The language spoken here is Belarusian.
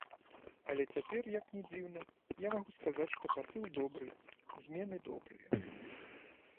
Але цяпер, як ні дзіўна, я магу сказаць, што пасыл добры, змены добрыя.